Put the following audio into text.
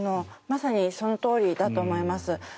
まさにそのとおりだと思います。